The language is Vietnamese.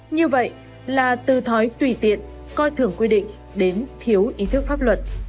như vậy là từ thói tùy tiện coi thường quy định đến thiếu ý thức pháp luật